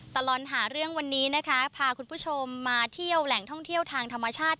ตลอดหาเรื่องวันนี้นะคะพาคุณผู้ชมมาเที่ยวแหล่งท่องเที่ยวทางธรรมชาติ